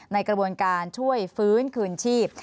ในกระบวนการช่วยฟื้นคืนชีพ